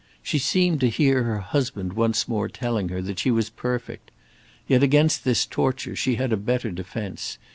She seemed to hear her husband once more telling her that she was perfect. Yet against this torture, she had a better defence.